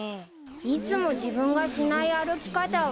いつも自分がしない歩き方をして。